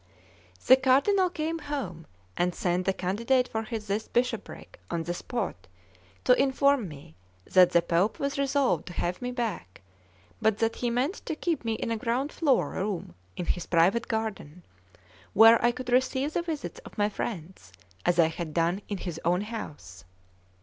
The Cardinal came home, and sent the candidate for this bishopric on the spot to inform me that the Pope was resolved to have me back, but that he meant to keep me in a ground floor room in his private garden, where I could receive the visits of my friends, as I had done in his own house.